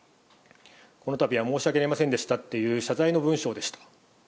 このたびは申し訳ありませんでしたっていう謝罪の文章でした。